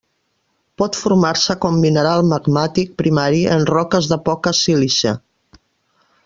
Pot formar-se com mineral magmàtic primari en roques de poca sílice.